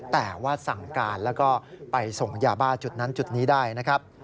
แต่ว่าสั่งการแล้วก็ไปส่งยาบ้าจุดนั้นจุดนี้ได้นะครับ